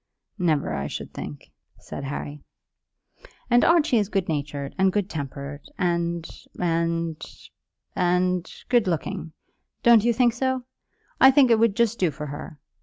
"Never, I should think," said Harry. "And Archie is good natured, and good tempered, and and and good looking. Don't you think so? I think it would just do for her.